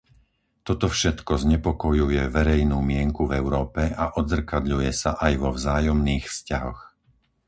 Toto všetko znepokojuje verejnú mienku v Európe a odzrkadľuje sa aj vo vzájomných vzťahoch.